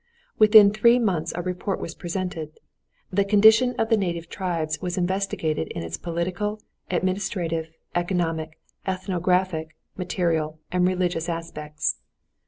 Within three months a report was presented. The condition of the native tribes was investigated in its political, administrative, economic, ethnographic, material, and religious aspects.